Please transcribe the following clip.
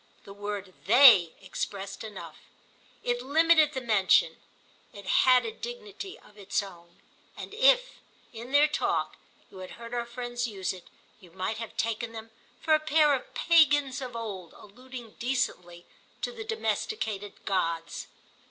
The word "they" expressed enough; it limited the mention, it had a dignity of its own, and if, in their talk, you had heard our friends use it, you might have taken them for a pair of pagans of old alluding decently to the domesticated gods.